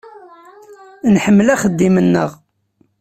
Nḥemmel axeddim-nneɣ.